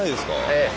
ええ。